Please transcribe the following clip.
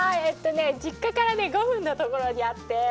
えっとね実家から５分の所にあって。